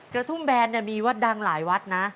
กระทุ่มแบนมีวัดดังหลายวัดนะ